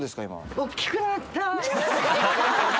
大きくなった。